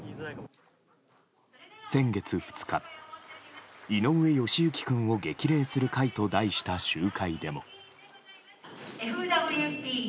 先月２日井上よしゆき君を激励する会と題した集会でも。